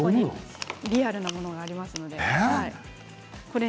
リアルのものがありますので。